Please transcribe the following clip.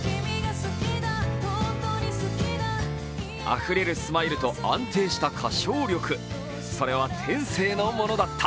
あふれるスマイルと安定した歌唱力、それは、天性のものだった。